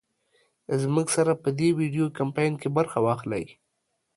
زمونږ سره په دې وېډيو کمپين کې برخه واخلۍ